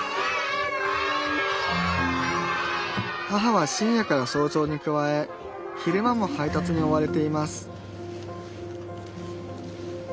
母は深夜から早朝に加え昼間も配達に追われています